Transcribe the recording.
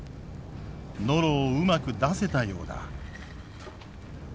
ノロをうまく出せたようだ。